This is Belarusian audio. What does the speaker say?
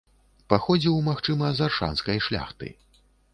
Паходзіў, магчыма, з аршанскай шляхты.